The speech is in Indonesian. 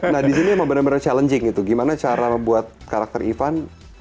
nah disini memang benar benar challenging gitu gimana cara membuat karakter ivan